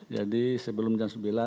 jadi sebelum jam sembilan